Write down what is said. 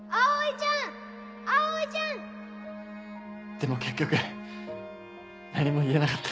でも結局何も言えなかった。